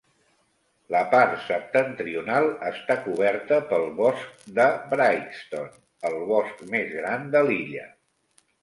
La part septentrional està coberta pel bosc de Brightstone, el bosc més gran de l'illa.